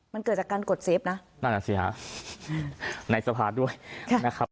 มันเกิดจากการกดเซฟนะในสภาพด้วยนะครับ